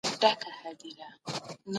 آیا تېر مهال تر اوسني مهال مهم دی؟